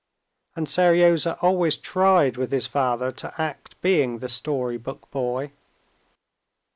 And Seryozha always tried with his father to act being the story book boy.